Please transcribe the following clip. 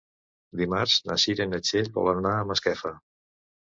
Dimarts na Cira i na Txell volen anar a Masquefa.